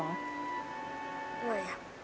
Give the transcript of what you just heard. ไม่ครับ